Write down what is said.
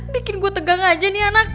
bikin gue tegang aja nih anak